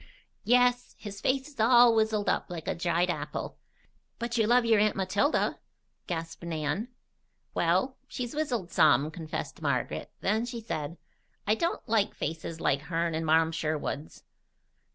"Yes. His face is all wizzled up like a dried apple." "But you love your aunt Matilda?" gasped Nan. "Well, she's wizzled some," confessed Margaret. Then she said: "I don't like faces like hern and Marm Sherwood's.